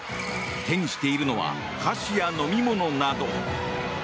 手にしているのは菓子や飲み物など。